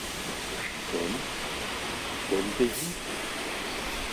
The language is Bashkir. — Кем, кем тиһең?